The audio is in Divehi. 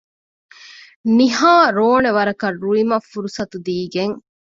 ނިހާ ރޯނެ ވަރަކަށް ރުއިމަށް ފުރުޞަތު ދީގެން